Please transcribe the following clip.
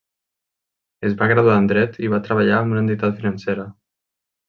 Es va graduar en Dret i va treballar en una entitat financera.